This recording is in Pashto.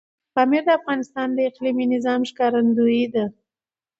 پامیر د افغانستان د اقلیمي نظام ښکارندوی ده.